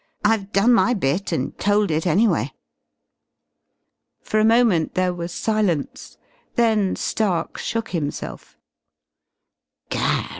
I've done my bit and told it anyway." For a moment there was silence. Then Stark shook himself.